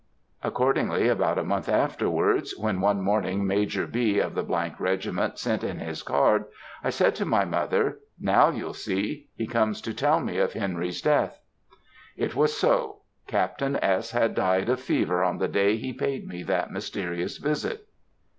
Accordingly, about a month afterwards, when one morning Major B. of the regiment sent in his card, I said to my mother, 'Now you'll see; he comes to tell me of Henry's death.' "It was so. Captain S. had died of fever on the day he paid me that mysterious visit."